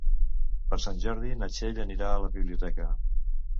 Per Sant Jordi na Txell anirà a la biblioteca.